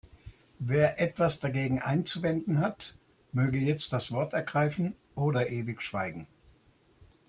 Wer etwas dagegen einzuwenden hat, möge jetzt das Wort ergreifen oder ewig schweigen.